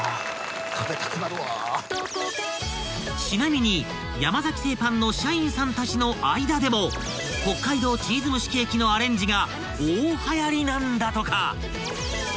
［ちなみに山崎製パンの社員さんたちの間でも北海道チーズ蒸しケーキのアレンジが大はやりなんだとか］